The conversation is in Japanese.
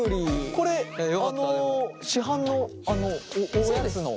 これあの市販のおやつの？